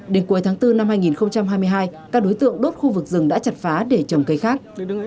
đến cuối tháng bốn năm hai nghìn hai mươi hai các đối tượng đốt khu vực rừng đã chặt phá để trồng cây khác